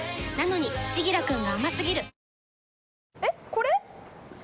これ？